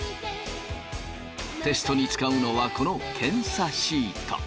テストに使うのはこの検査シート。